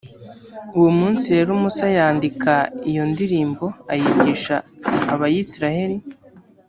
uwo munsi rero musa yandika iyo ndirimbo, ayigisha abayisraheli.